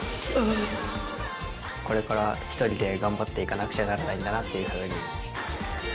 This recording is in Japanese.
これから一人で頑張っていかなくちゃならないんだなっていうふうに。